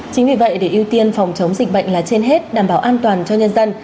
chính vì vậy để ưu tiên phòng chống dịch bệnh là trên hết đảm bảo an toàn cho nhân dân